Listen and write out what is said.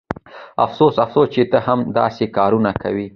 افسوس افسوس چې ته هم داسې کارونه کوې